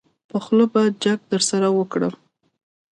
په خوله به جګ درسره وکړم.